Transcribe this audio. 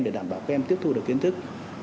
để đảm bảo các em tiếp thu được kiến thức